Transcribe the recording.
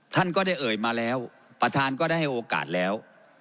ท่านก็ได้เอ่ยมาแล้วประธานก็ได้ให้โอกาสแล้ว